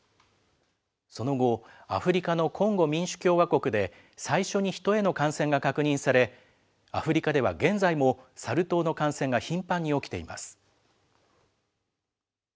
その後、アフリカのコンゴ民主共和国で最初にヒトへの感染が確認され、アフリカでは現在もサル痘の感染が頻繁に起きています。